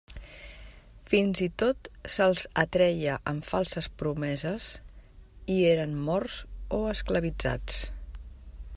Fins i tot se’ls atreia amb falses promeses, i eren morts o esclavitzats.